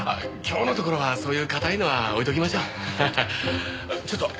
今日のところはそういう堅いのは置いときましょ。